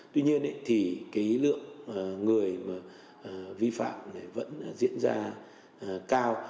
tuy nhiên thì cái lượng người vi phạm vẫn diễn ra cao